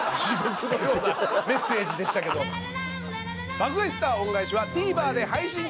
『爆買い☆スター恩返し』はＴＶｅｒで配信中。